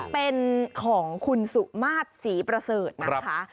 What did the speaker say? เป็นของคุณสุมาตรศรีประเสริฐนะคะ